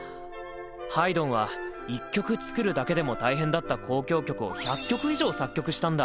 ハイドンは１曲作るだけでも大変だった交響曲を１００曲以上作曲したんだ。